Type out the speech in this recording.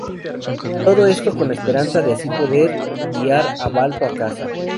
Todo esto con la esperanza de así poder guiar a Balto a casa.